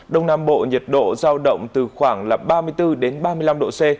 đông nam bộ nhiệt độ giao động từ khoảng là ba mươi bốn ba mươi năm độ c